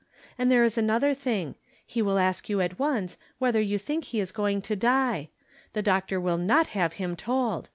And there is another thing : he will ask you at once whether you think he is going to die. The doc tor will not have him told.